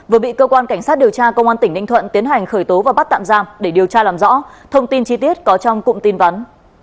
vừa bị cơ quan cảnh sát điều tra công an tỉnh ninh thuận tiến hành khởi tố và bắt tạm giam để điều tra làm rõ thông tin chi tiết có trong cụm tin vắn